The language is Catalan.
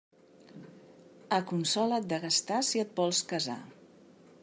Aconsola't de gastar si et vols casar.